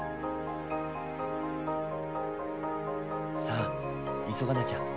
さあ急がなきゃ。